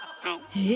えっ？